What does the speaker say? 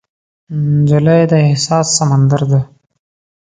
نجلۍ د احساس سمندر ده.